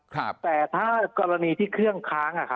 แต่ถ้ากรณีที่เครื่องค้าง